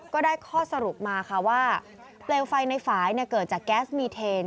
ก็ได้ข้อสรุปมาค่ะว่าเปลวไฟในฝ่ายเกิดจากแก๊สมีเทน